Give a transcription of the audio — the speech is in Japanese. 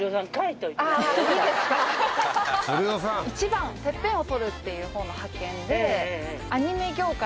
１番テッペンを取るっていうほうの「覇権」で。